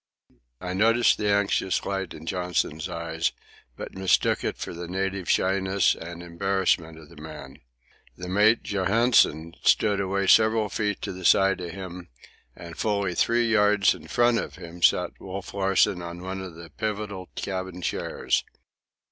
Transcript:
I noticed the anxious light in Johnson's eyes, but mistook it for the native shyness and embarrassment of the man. The mate, Johansen, stood away several feet to the side of him, and fully three yards in front of him sat Wolf Larsen on one of the pivotal cabin chairs.